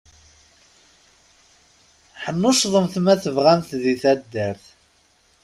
Ḥnuccḍemt ma tabɣamt di taddart.